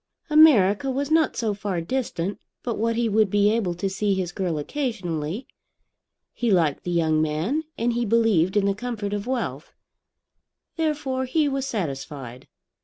America was not so far distant but what he would be able to see his girl occasionally. He liked the young man and he believed in the comfort of wealth. Therefore he was satisfied.